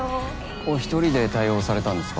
お１人で対応されたんですか？